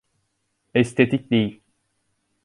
Estetik değil.